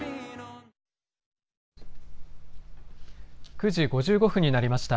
９時５５分になりました。